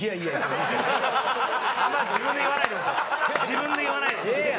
自分で言わないで。